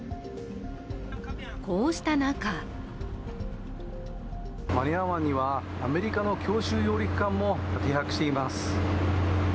こうした中マニラ湾にはアメリカの強襲揚陸艦も停泊しています。